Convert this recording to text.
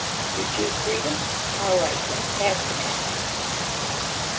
You choose freedom? All right, then. Pass the matches."